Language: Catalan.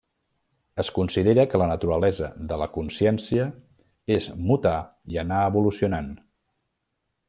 Es considera que la naturalesa de la consciència és mutar i anar evolucionant.